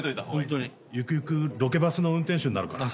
ゆくゆくロケバスの運転手になるから。